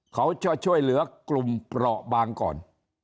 เขาจะช่วยเหลือกลุ่มเปราะบางก่อน